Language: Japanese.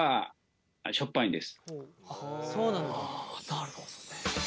なるほどね。